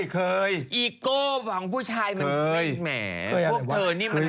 อ๋อเคยอีโก้ของผู้ชายมันแหมพวกเธอนี่มัน